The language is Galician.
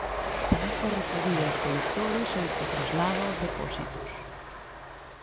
Tamén coa recollida en colectores ou co traslado aos depósitos.